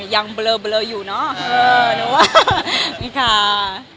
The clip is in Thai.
อย่างเบลออยู่เนาะ